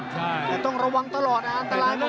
แต่ต้องระวังตลอดนะอันตรายนะ